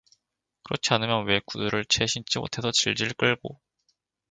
그렇지 않으면 왜 구두를 채 신지 못해서 질질 끌고